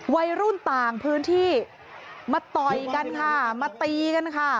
วัยรุ่นต่างพื้นที่มาต่อยกันค่ะมาตีกันค่ะ